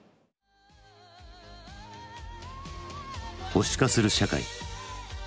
保守化する社会。